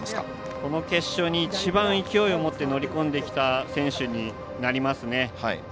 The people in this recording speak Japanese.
この決勝にいちばん勢いを持って乗り込んできた選手になりますね。